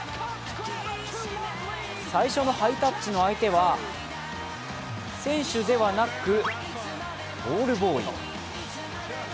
最初のハイタッチの相手は選手ではなくボールボーイ。